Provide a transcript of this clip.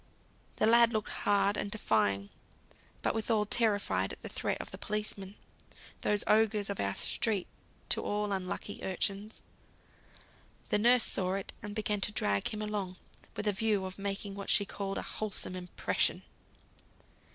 The lad looked hard and defying; but withal terrified at the threat of the policeman, those ogres of our streets to all unlucky urchins. The nurse saw it, and began to drag him along, with a view of making what she called "a wholesome impression."